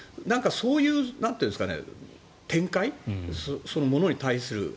そういうものに対する。